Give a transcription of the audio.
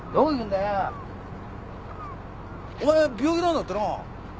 お前病気なんだってな。